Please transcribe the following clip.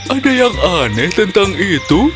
ada yang aneh tentang itu